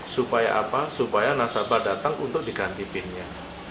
supaya nasabah datang untuk diganti pinnya